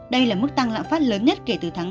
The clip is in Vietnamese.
đây là mức tăng lạm phát lớn nhất kể từ tháng một mươi